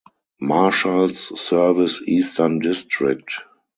Marshals Service Eastern District.